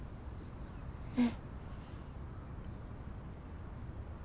うん。